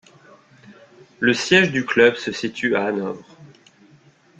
Le siège du Club se situe à Hanovre.